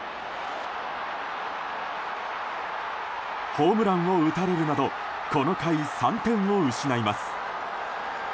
ホームランを打たれるなどこの回、３点を失います。